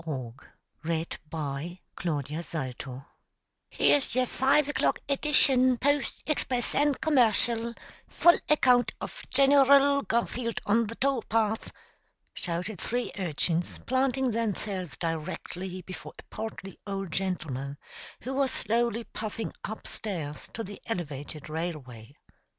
E. FRYATT. "Here's yer five o'clock e dishun, Post, Express, an' Commercial full account of Gen er ull Garfield on the tow path!" shouted three urchins, planting themselves directly before a portly old gentleman who was slowly puffing up stairs to the elevated railway.